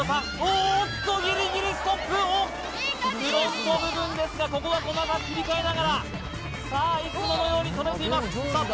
おっとギリギリストップフロント部分ですがここは細かく切り替えながらさあいつものように停めていますさあ